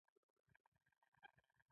زراعت د افغان ماشومانو د لوبو موضوع ده.